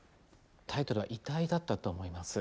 タイトルは「遺体」だったと思います。